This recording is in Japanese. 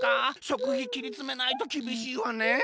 しょくひきりつめないときびしいわねえ。